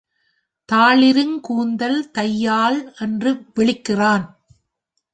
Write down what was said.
தாழிருங் கூந்தல் தையால் என்று விளிக்கிறான்.